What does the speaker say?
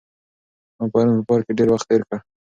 ما پرون په پارک کې ډېر وخت تېر کړ.